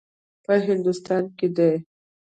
په هندوستان کې دی.